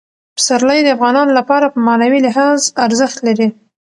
پسرلی د افغانانو لپاره په معنوي لحاظ ارزښت لري.